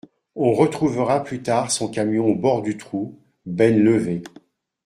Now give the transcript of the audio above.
On retrouvera plus tard son camion au bord du trou, benne levée.